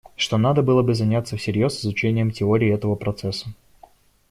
Что надо было бы заняться всерьез изучением теории этого процесса.